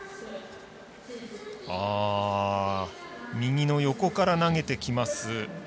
右の横から投げてきます